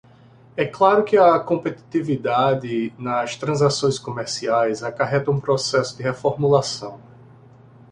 É claro que a competitividade nas transações comerciais acarreta um processo de reformulação